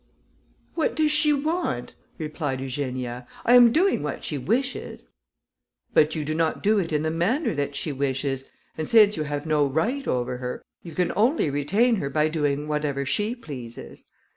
"What does she want?" replied Eugenia. "I am doing what she wishes." "But you do not do it in the manner that she wishes, and since you have no right over her, you can only retain her by doing whatever she pleases.